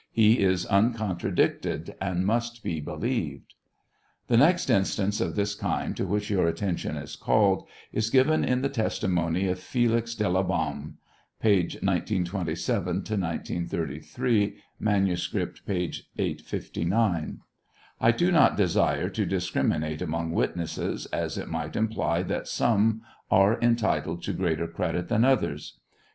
He is uncontradicted, and must be believed. The next instance of this kind to which your attention is called is given in the testimony of Felix Do la Baum, (p. 1927 to 1933; manuscript, p. 859.) I do not desire to discriminate among witnesses, as it might ' imply that some are entitled to greater credit than others.